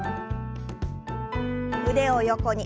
腕を横に。